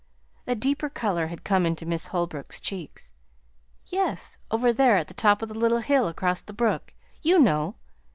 A deeper color had come into Miss Holbrook's cheeks. "Yes. Over there at the top of the little hill across the brook, you know.